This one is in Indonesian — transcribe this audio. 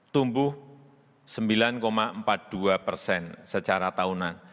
tumbuh sembilan empat puluh dua persen secara tahunan